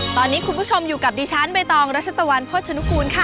ตอนนี้คุณผู้ชมอยู่กับดิฉันใบตองรัชตะวันโภชนุกูลค่ะ